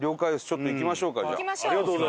ちょっと行きましょうかじゃあ。